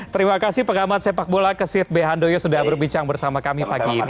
terima kasih pengamat sepak bola kesit behandoyo sudah berbicara bersama kami pagi ini